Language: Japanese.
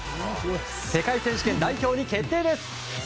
世界選手権代表に決定です。